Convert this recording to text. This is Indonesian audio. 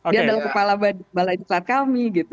dia adalah kepala bala insulat kami gitu